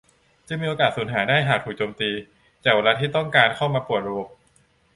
จึงมีโอกาสสูญหายได้หากถูกโจมตีจากไวรัสที่ต้องการเข้ามาป่วนระบบ